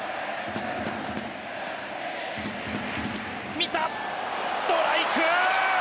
見た、ストライク！